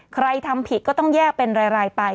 ใครทำผิดก็ต้องแยกเป็นรายไป